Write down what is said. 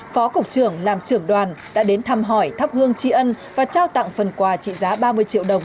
phó cục trưởng làm trưởng đoàn đã đến thăm hỏi thắp hương tri ân và trao tặng phần quà trị giá ba mươi triệu đồng